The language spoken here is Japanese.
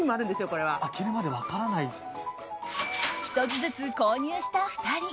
１つずつ購入した２人。